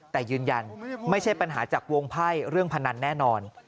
แต่ยืนยันไม่ใช่ปัญหาจากวงไพ่เรื่องพนันแน่นอน